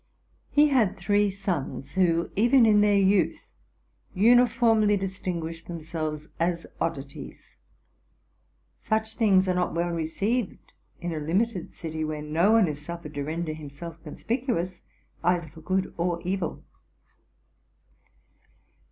He had three sons, who, even in their youth, uniformly distinguished themselves as oddities. Such things are not well received in a limited city, where no one is suffered to render himself conspicuous, either for good or evil.